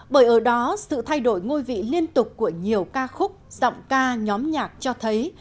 bởi ở đó sự thay đổi ngôi vị liên tục của nhiều ca khúc giọng ca nhóm nhạc cho thấy